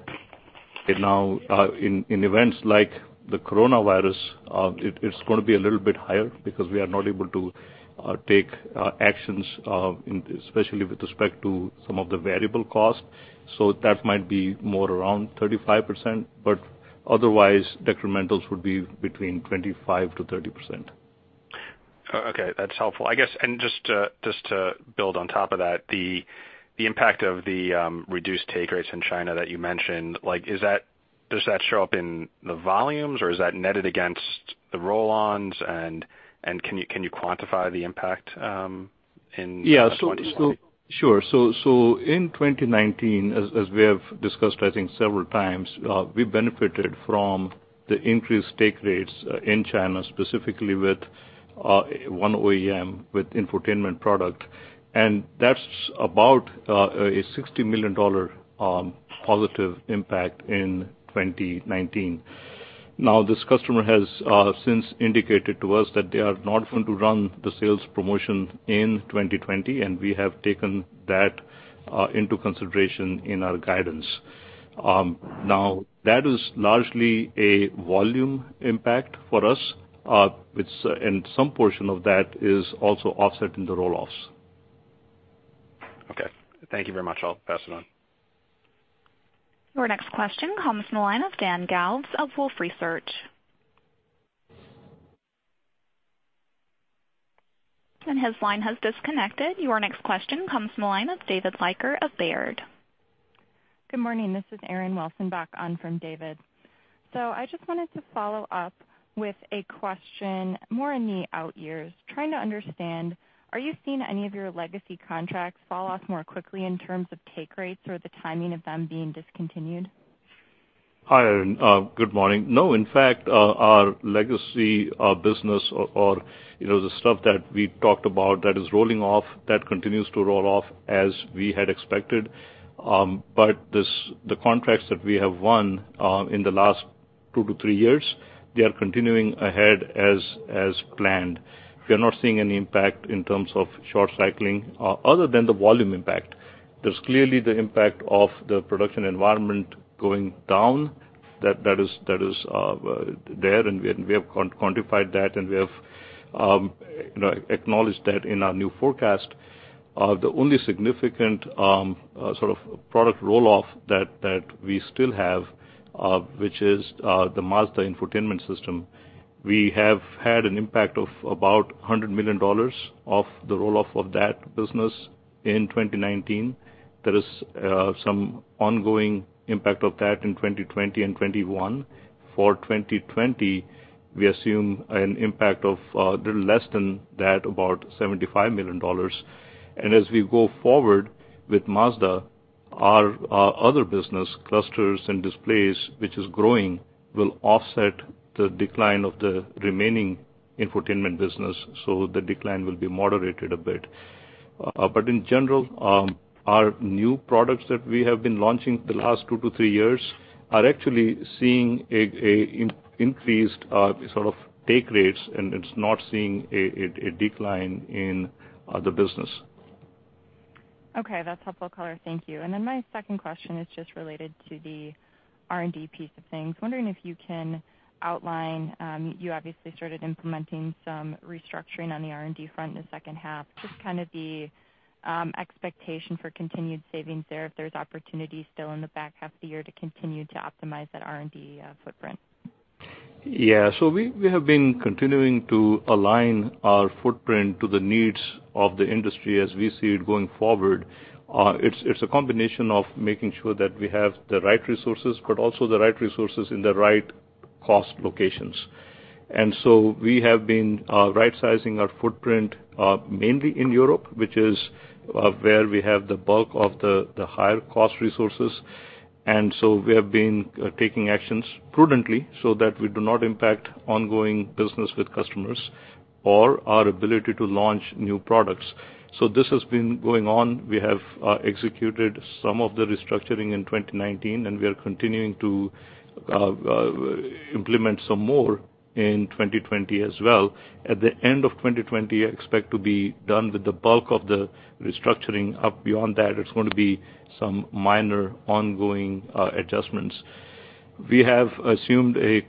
In events like the coronavirus, it's going to be a little bit higher because we are not able to take actions, especially with respect to some of the variable costs. That might be more around 35%, but otherwise decrementals would be between 25%-30%. Okay. That's helpful. I guess, just to build on top of that, the impact of the reduced take rates in China that you mentioned, does that show up in the volumes, or is that netted against the roll-ons? Can you quantify the impact in 2020? Yeah. Sure. In 2019, as we have discussed, I think, several times, we benefited from the increased take rates in China, specifically with one OEM with infotainment product, and that's about a $60 million positive impact in 2019. This customer has since indicated to us that they are not going to run the sales promotion in 2020, and we have taken that into consideration in our guidance. That is largely a volume impact for us, and some portion of that is also offset in the roll-offs. Okay. Thank you very much. I'll pass it on. Your next question comes from the line of Dan Galves of Wolfe Research. His line has disconnected. Your next question comes from the line of David Leiker of Baird. Good morning. This is Erin Wilson back on from David. I just wanted to follow up with a question more in the out years, trying to understand, are you seeing any of your legacy contracts fall off more quickly in terms of take rates or the timing of them being discontinued? Hi, Erin. Good morning. No, in fact, our legacy business or the stuff that we talked about that is rolling off, that continues to roll off as we had expected. The contracts that we have won in the last two to three years, they are continuing ahead as planned. We are not seeing any impact in terms of short cycling other than the volume impact. There's clearly the impact of the production environment going down that is there, and we have quantified that, and we have acknowledged that in our new forecast. The only significant sort of product roll-off that we still have, which is the Mazda infotainment system, we have had an impact of about $100 million of the roll-off of that business in 2019. There is some ongoing impact of that in 2020 and 2021. For 2020, we assume an impact of a little less than that, about $75 million. As we go forward with Mazda, our other business, clusters and displays, which is growing, will offset the decline of the remaining infotainment business, so the decline will be moderated a bit. In general, our new products that we have been launching the last two to three years are actually seeing increased sort of take rates, and it's not seeing a decline in the business. Okay, that's helpful color. Thank you. My second question is just related to the R&D piece of things. Wondering if you can outline, you obviously started implementing some restructuring on the R&D front in the second half, just kind of the expectation for continued savings there, if there's opportunity still in the back half of the year to continue to optimize that R&D footprint. Yeah. We have been continuing to align our footprint to the needs of the industry as we see it going forward. It's a combination of making sure that we have the right resources, but also the right resources in the right cost locations. We have been right-sizing our footprint, mainly in Europe, which is where we have the bulk of the higher-cost resources. We have been taking actions prudently so that we do not impact ongoing business with customers or our ability to launch new products. This has been going on. We have executed some of the restructuring in 2019, and we are continuing to implement some more in 2020 as well. At the end of 2020, I expect to be done with the bulk of the restructuring. Up beyond that, it's going to be some minor ongoing adjustments. We have assumed a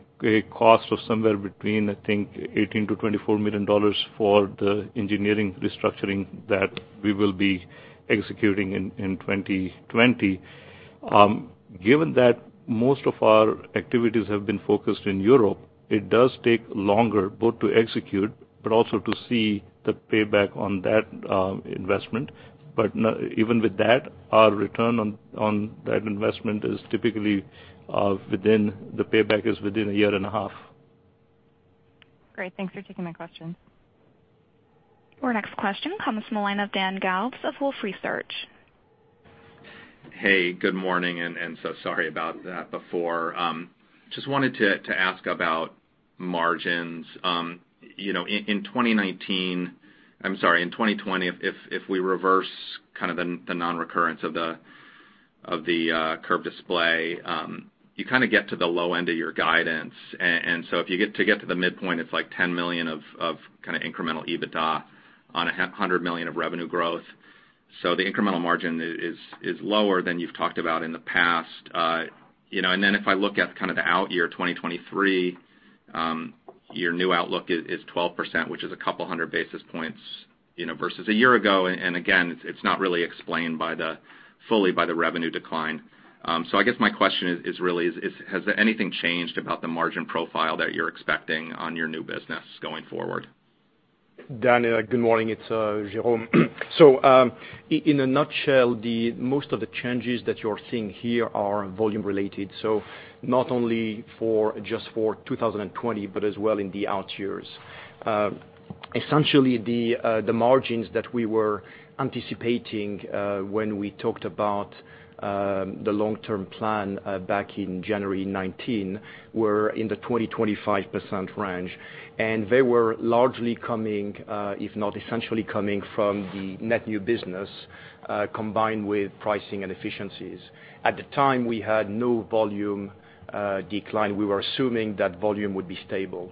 cost of somewhere between, I think, $18 million-$24 million for the engineering restructuring that we will be executing in 2020. Given that most of our activities have been focused in Europe, it does take longer both to execute but also to see the payback on that investment. Even with that, our return on that investment is typically the payback is within a year and a half. Great. Thanks for taking my question. Our next question comes from the line of Dan Galves of Wolfe Research. Hey, good morning. Sorry about that before. Just wanted to ask about margins. In 2020, if we reverse kind of the non-recurrence of the curved display, you kind of get to the low end of your guidance. If you get to the midpoint, it's like $10 million of kind of incremental EBITDA on $100 million of revenue growth. The incremental margin is lower than you've talked about in the past. If I look at kind of the out year, 2023, your new outlook is 12%, which is a couple hundred basis points versus a year ago. Again, it's not really explained fully by the revenue decline. I guess my question is really, has anything changed about the margin profile that you're expecting on your new business going forward? Dan, good morning, it's Jerome. In a nutshell, most of the changes that you're seeing here are volume related, not only just for 2020, but as well in the out years. Essentially, the margins that we were anticipating when we talked about the long-term plan back in January 2019 were in the 20%-25% range, and they were largely coming, if not essentially coming from the net new business, combined with pricing and efficiencies. At the time, we had no volume decline. We were assuming that volume would be stable,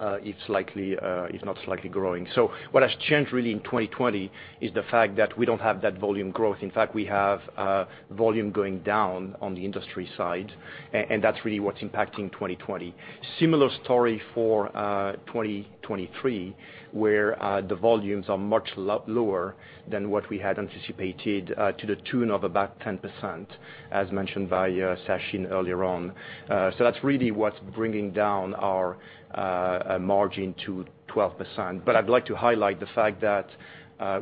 if not slightly growing. What has changed really in 2020 is the fact that we don't have that volume growth. In fact, we have volume going down on the industry side, and that's really what's impacting 2020. Similar story for 2023, where the volumes are much lower than what we had anticipated, to the tune of about 10%, as mentioned by Sachin earlier on. That's really what's bringing down our margin to 12%. I'd like to highlight the fact that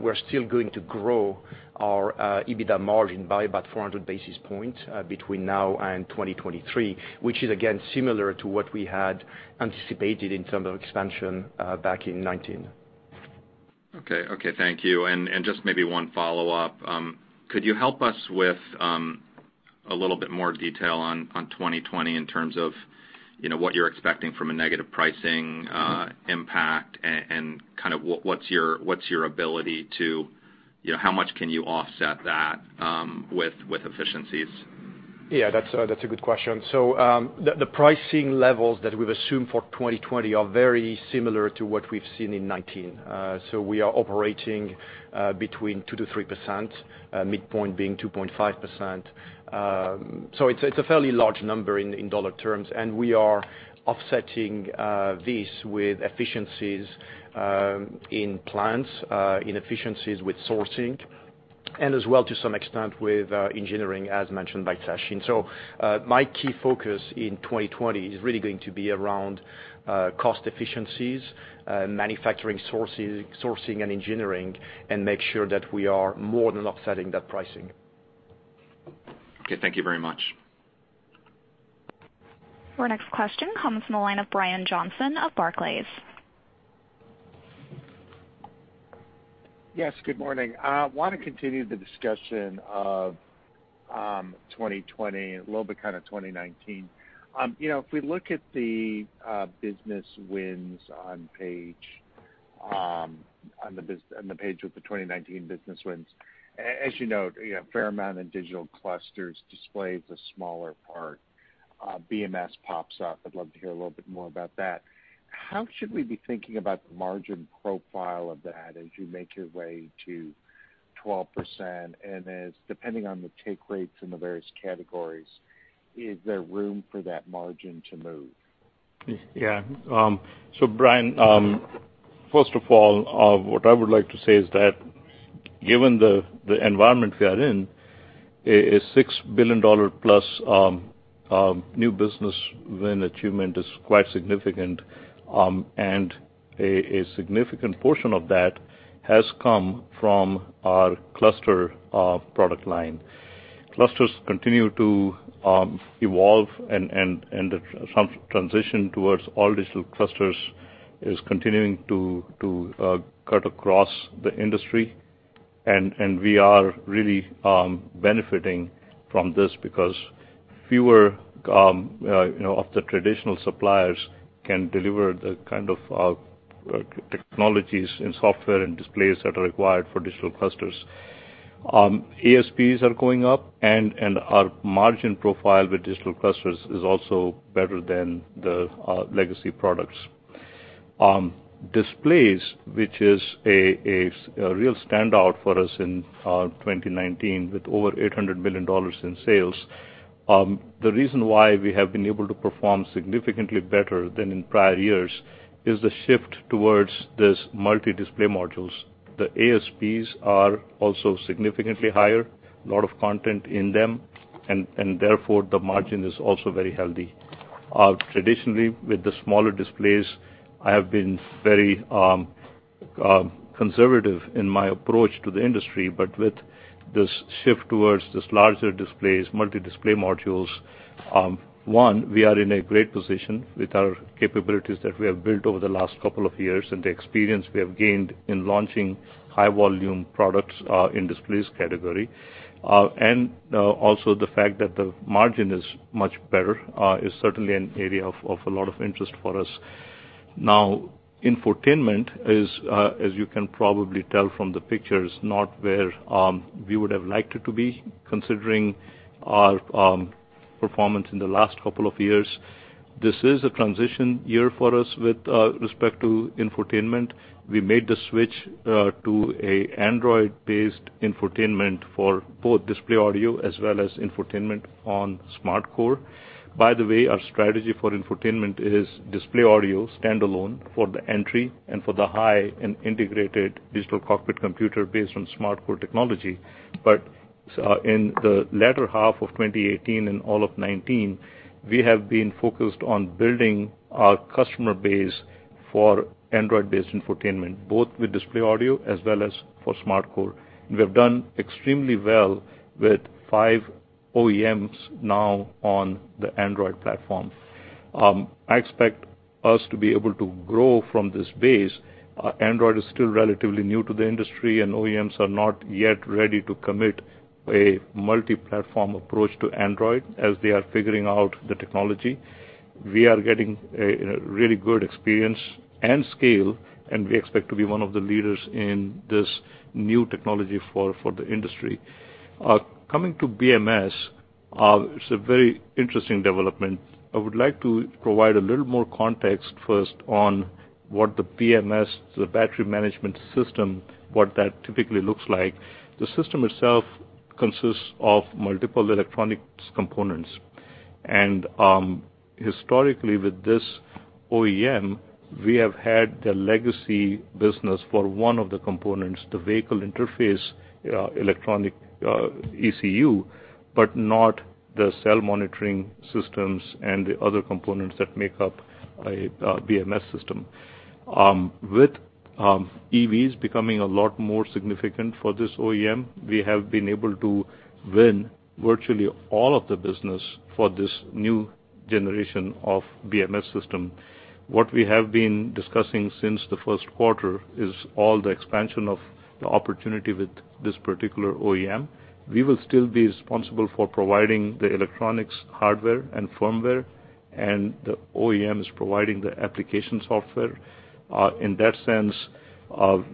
we're still going to grow our EBITDA margin by about 400 basis points between now and 2023, which is again similar to what we had anticipated in terms of expansion back in 2019. Okay. Thank you. Just maybe one follow-up. Could you help us with a little bit more detail on 2020 in terms of what you're expecting from a negative pricing impact and what's your ability to How much can you offset that with efficiencies? Yeah, that's a good question. The pricing levels that we've assumed for 2020 are very similar to what we've seen in 2019. We are operating between 2%-3%, midpoint being 2.5%. It's a fairly large number in dollar terms, and we are offsetting this with efficiencies in plants, efficiencies with sourcing, and as well, to some extent, with engineering, as mentioned by Sachin. My key focus in 2020 is really going to be around cost efficiencies, manufacturing sourcing and engineering, and make sure that we are more than offsetting that pricing. Okay. Thank you very much. Our next question comes from the line of Brian Johnson of Barclays. Yes, good morning. I want to continue the discussion of 2020, a little bit kind of 2019. If we look at the business wins on the page with the 2019 business wins, as you know, a fair amount in digital clusters, displays a smaller part. BMS pops up. I'd love to hear a little bit more about that. How should we be thinking about the margin profile of that as you make your way to 12% and as depending on the take rates in the various categories, is there room for that margin to move? Yeah. Brian, first of all, what I would like to say is that given the environment we are in, a $6 billion plus new business win achievement is quite significant, and a significant portion of that has come from our cluster product line. Clusters continue to evolve and transition towards all digital clusters is continuing to cut across the industry, we are really benefiting from this because fewer of the traditional suppliers can deliver the kind of technologies in software and displays that are required for digital clusters. ASPs are going up, our margin profile with digital clusters is also better than the legacy products. Displays, which is a real standout for us in 2019 with over $800 million in sales, the reason why we have been able to perform significantly better than in prior years is the shift towards this multi-display modules. The ASPs are also significantly higher, lot of content in them, therefore the margin is also very healthy. Traditionally, with the smaller displays, I have been very conservative in my approach to the industry, with this shift towards this larger displays, multi-display modules, one, we are in a great position with our capabilities that we have built over the last couple of years and the experience we have gained in launching high volume products in displays category. Also the fact that the margin is much better, is certainly an area of a lot of interest for us. Now, infotainment is, as you can probably tell from the pictures, not where we would have liked it to be, considering our performance in the last couple of years. This is a transition year for us with respect to infotainment. We made the switch to an Android-based infotainment for both display audio as well as infotainment on SmartCore. By the way, our strategy for infotainment is display audio standalone for the entry and for the high and integrated digital cockpit computer based on SmartCore technology. In the latter half of 2018 and all of 2019, we have been focused on building our customer base for Android-based infotainment, both with display audio as well as for SmartCore. We have done extremely well with five OEMs now on the Android platform. I expect us to be able to grow from this base. Android is still relatively new to the industry, and OEMs are not yet ready to commit a multi-platform approach to Android as they are figuring out the technology. We are getting a really good experience and scale, and we expect to be one of the leaders in this new technology for the industry. Coming to BMS, it's a very interesting development. I would like to provide a little more context first on what the BMS, the battery management system, what that typically looks like. The system itself consists of multiple electronics components. Historically with this OEM, we have had the legacy business for one of the components, the vehicle interface electronic ECU, but not the cell monitoring systems and the other components that make up a BMS system. With EVs becoming a lot more significant for this OEM, we have been able to win virtually all of the business for this new generation of BMS system. What we have been discussing since the first quarter is all the expansion of the opportunity with this particular OEM. We will still be responsible for providing the electronics hardware and firmware, and the OEM is providing the application software. In that sense,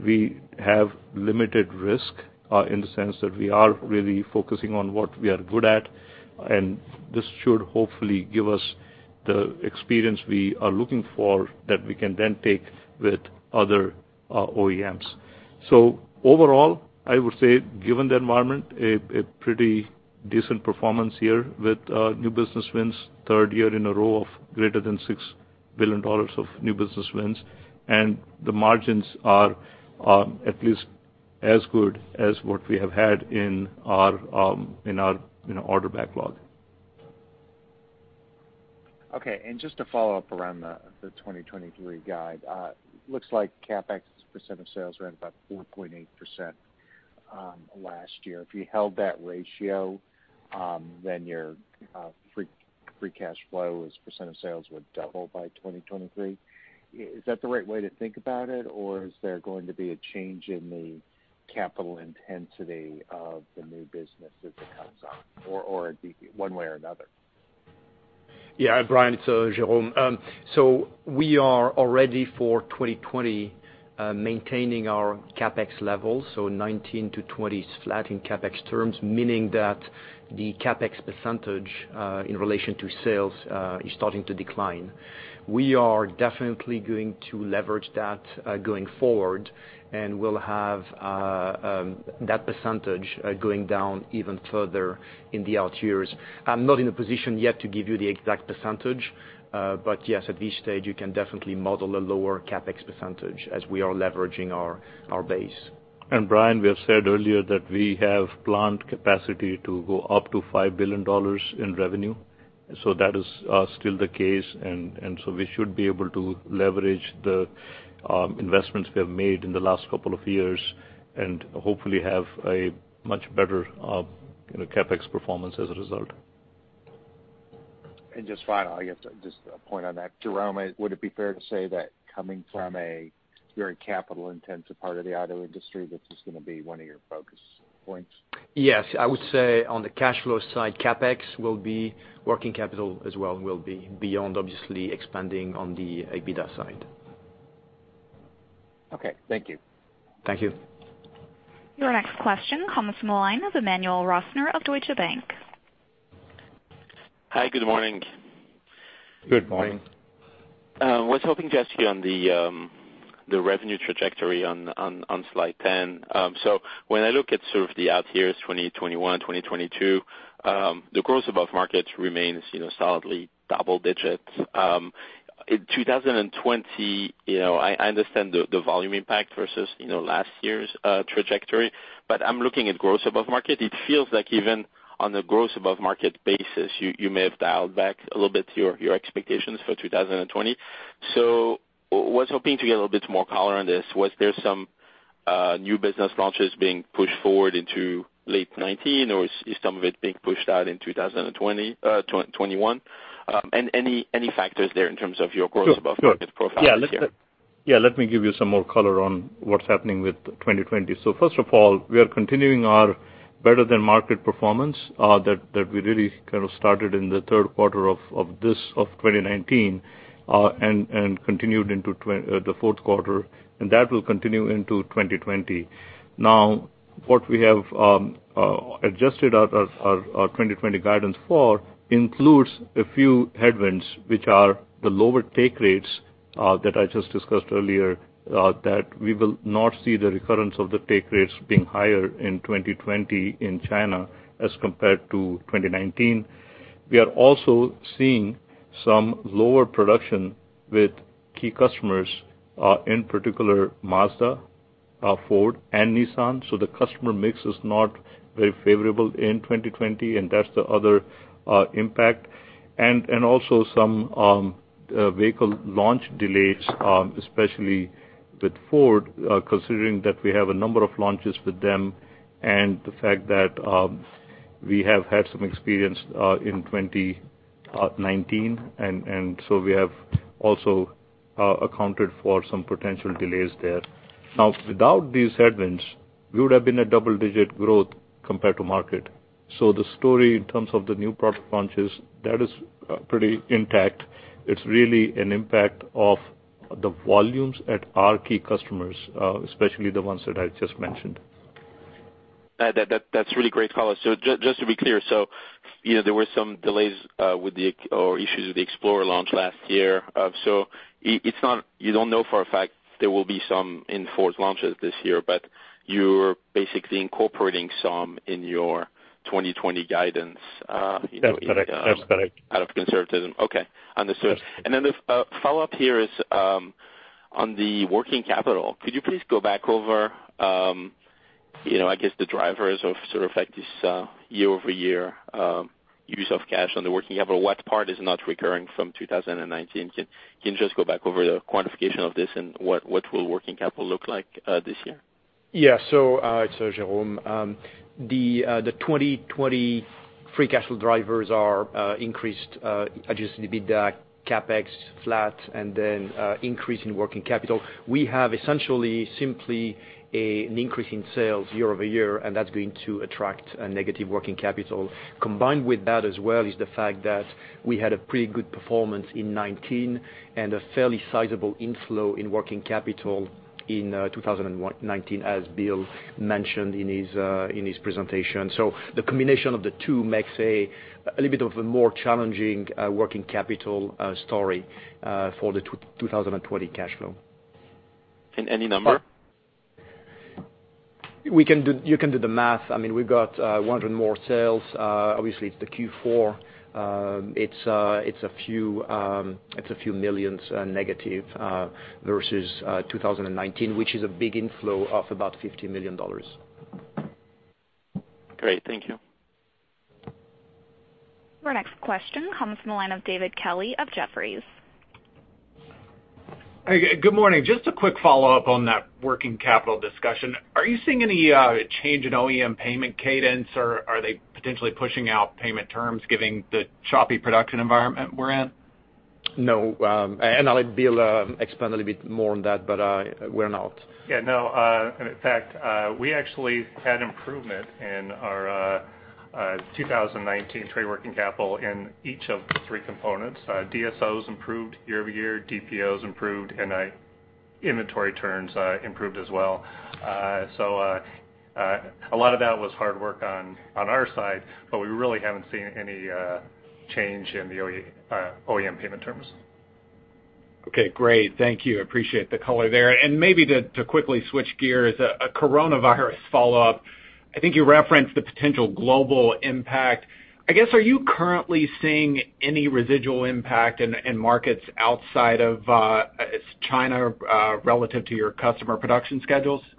we have limited risk in the sense that we are really focusing on what we are good at, and this should hopefully give us the experience we are looking for that we can then take with other OEMs. Overall, I would say, given the environment, a pretty decent performance here with new business wins, third year in a row of greater than $6 billion of new business wins, and the margins are at least as good as what we have had in our order backlog. Okay, just to follow up around the 2023 guide. Looks like CapEx's percentage of sales were at about 4.8% last year. If you held that ratio, your free cash flow as percentage of sales would double by 2023. Is that the right way to think about it, or is there going to be a change in the capital intensity of the new business as it comes on or one way or another? Brian, it's Jerome. We are already for 2020 maintaining our CapEx levels, so 2019 to 2020's flat in CapEx terms, meaning that the CapEx percentage in relation to sales is starting to decline. We are definitely going to leverage that going forward, we'll have that percentage going down even further in the out years. I'm not in a position yet to give you the exact percentage, yes, at this stage, you can definitely model a lower CapEx percentage as we are leveraging our base. Brian, we have said earlier that we have plant capacity to go up to $5 billion in revenue. That is still the case, we should be able to leverage the investments we have made in the last couple of years and hopefully have a much better CapEx performance as a result. Just final, I guess, just a point on that. Jerome, would it be fair to say that coming from a very capital-intensive part of the auto industry, this is going to be one of your focus points? Yes. I would say on the cash flow side, CapEx will be working capital as well will be beyond obviously expanding on the EBITDA side. Okay. Thank you. Thank you. Your next question comes from the line of Emmanuel Rosner of Deutsche Bank. Hi, good morning. Good morning. Good morning. Was hoping to ask you on the revenue trajectory on slide 10. When I look at sort of the out years 2021, 2022, the growth above market remains solidly double digits. In 2020, I understand the volume impact versus last year's trajectory, but I'm looking at growth above market. It feels like even on the growth above market basis, you may have dialed back a little bit your expectations for 2020. Was hoping to get a little bit more color on this. Was there some new business launches being pushed forward into late 2019, or is some of it being pushed out in 2021? Any factors there in terms of your growth. Sure. Above market profile this year? Yeah, let me give you some more color on what's happening with 2020. First of all, we are continuing our better-than-market performance that we really kind of started in the third quarter of 2019 and continued into the fourth quarter, and that will continue into 2020. Now, what we have adjusted our 2020 guidance for includes a few headwinds, which are the lower take rates that I just discussed earlier that we will not see the recurrence of the take rates being higher in 2020 in China as compared to 2019. We are also seeing some lower production with key customers, in particular Mazda, Ford, and Nissan. The customer mix is not very favorable in 2020, and that's the other impact. Also some vehicle launch delays, especially with Ford, considering that we have a number of launches with them and the fact that we have had some experience in 2019, and so we have also accounted for some potential delays there. Without these headwinds, we would have been a double-digit growth compared to market. The story in terms of the new product launches, that is pretty intact. It's really an impact of the volumes at our key customers, especially the ones that I just mentioned. That's really great color. Just to be clear, there were some delays or issues with the Explorer launch last year. You don't know for a fact there will be some in Ford's launches this year, but you're basically incorporating some in your 2020 guidance. That's correct. Out of conservatism. Okay. Understood. Yes. The follow-up here is on the working capital. Could you please go back over I guess the drivers of sort of like this year-over-year use of cash on the working capital? What part is not recurring from 2019? Can you just go back over the quantification of this and what will working capital look like this year? Yeah. It's Jerome. The 2020 free cash flow drivers are increased adjusted EBITDA, CapEx flat, then increase in working capital. We have essentially simply an increase in sales year-over-year, that's going to attract a negative working capital. Combined with that as well is the fact that we had a pretty good performance in 2019, a fairly sizable inflow in working capital in 2019, as Bill mentioned in his presentation. The combination of the two makes a little bit of a more challenging working capital story for the 2020 cash flow. Any number? You can do the math. We've got 100 more sales. Obviously it's the Q4. It's a few millions negative versus 2019, which is a big inflow of about $50 million. Great. Thank you. Our next question comes from the line of David Kelley of Jefferies. Hey, good morning. Just a quick follow-up on that working capital discussion. Are you seeing any change in OEM payment cadence, or are they potentially pushing out payment terms given the choppy production environment we're in? No, and I'll let Bill expand a little bit more on that, but we're not. Yeah, no. In fact, we actually had improvement in our 2019 trade working capital in each of the three components. DSOs improved year-over-year, DPOs improved, and inventory turns improved as well. A lot of that was hard work on our side, but we really haven't seen any change in the OEM payment terms. Okay, great. Thank you. Appreciate the color there. Maybe to quickly switch gears, a coronavirus follow-up. I think you referenced the potential global impact. I guess, are you currently seeing any residual impact in markets outside of China relative to your customer production schedules? Yes,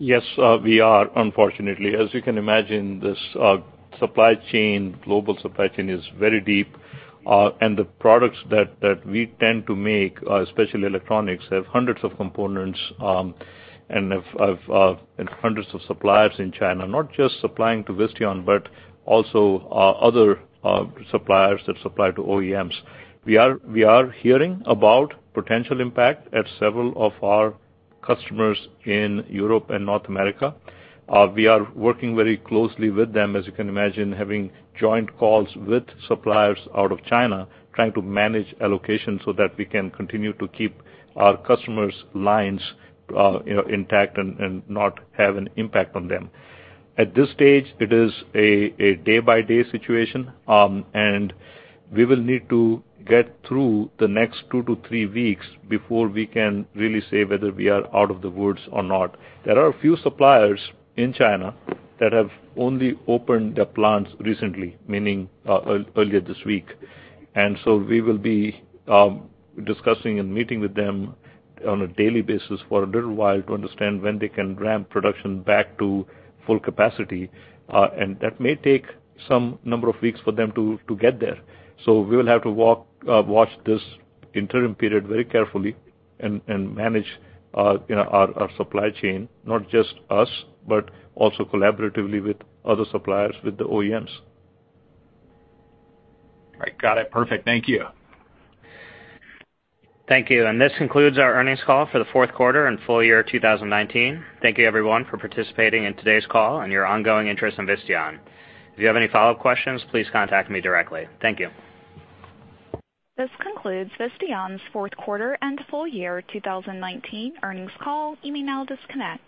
we are, unfortunately. As you can imagine, this global supply chain is very deep. The products that we tend to make, especially electronics, have 100 of components, and have 100 of suppliers in China, not just supplying to Visteon, but also other suppliers that supply to OEMs. We are hearing about potential impact at several of our customers in Europe and North America. We are working very closely with them, as you can imagine, having joint calls with suppliers out of China, trying to manage allocation so that we can continue to keep our customers' lines intact and not have an impact on them. At this stage, it is a day-by-day situation, and we will need to get through the next two to three weeks before we can really say whether we are out of the woods or not. There are a few suppliers in China that have only opened their plants recently, meaning earlier this week. We will be discussing and meeting with them on a daily basis for a little while to understand when they can ramp production back to full capacity. That may take some number of weeks for them to get there. We will have to watch this interim period very carefully and manage our supply chain, not just us, but also collaboratively with other suppliers, with the OEMs. Right. Got it. Perfect. Thank you. Thank you. This concludes our earnings call for the fourth quarter and full year 2019. Thank you, everyone, for participating in today's call and your ongoing interest in Visteon. If you have any follow-up questions, please contact me directly. Thank you. This concludes Visteon's fourth quarter and full year 2019 earnings call. You may now disconnect.